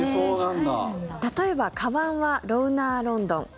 例えば、かばんはロウナーロンドン。